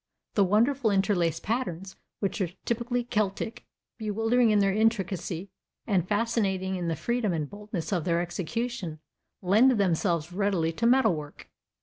The wonderful interlaced patterns, which are typically Celtic, bewildering in their intricacy, and fascinating in the freedom and boldness of their execution, lend themselves readily to metal work.